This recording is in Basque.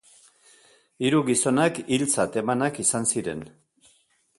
Hiru gizonak hiltzat emanak izan ziren.